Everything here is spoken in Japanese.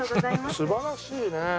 素晴らしいね。